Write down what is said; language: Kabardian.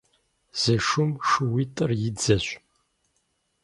Зы шум шууитӀыр и дзэщ.